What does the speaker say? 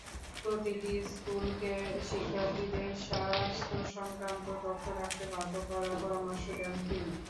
প্রতিটি স্কুলকে শিক্ষার্থীদের স্বাস্থ্যসংক্রান্ত তথ্য রাখতে বাধ্য করার পরামর্শ দেন তিনি।